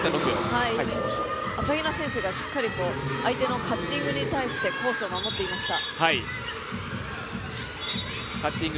朝比奈選手が、しっかり相手のカッティングに対してコースを守っていました。